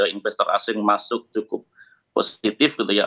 investor asing masuk cukup positif gitu ya